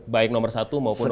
baik nomor satu maupun dua